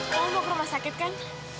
mau ke rumah sakit kan